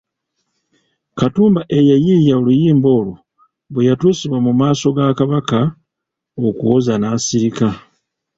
Katumba eyayiiya oluyimba olwo bwe yatuusibwa mu maaso ga Kabaka okuwoza n'asirika.